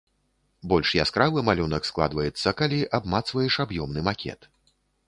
Больш яскравы малюнак складваецца, калі абмацваеш аб'ёмны макет.